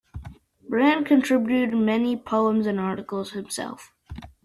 Brand contributed many poems and articles himself.